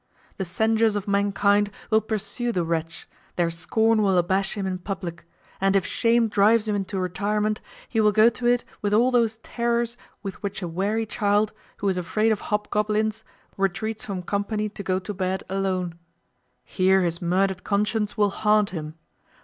The censures of mankind will pursue the wretch, their scorn will abash him in publick; and if shame drives him into retirement, he will go to it with all those terrors with which a weary child, who is afraid of hobgoblins, retreats from company to go to bed alone. Here his murdered conscience will haunt him.